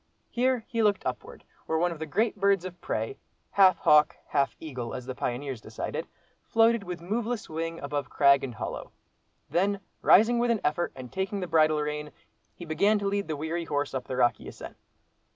Here he looked upward, where one of the great birds of prey, half hawk, half eagle, as the pioneers decided, floated with moveless wing above crag and hollow. Then rising with an effort, and taking the bridle rein, he began to lead the weary horse up the rocky ascent.